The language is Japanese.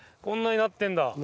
こんなになってるんだ！